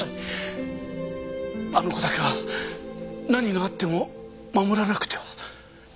あの子だけは何があっても守らなくては。